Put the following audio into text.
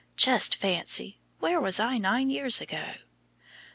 Just fancy! Where was I nine years ago?"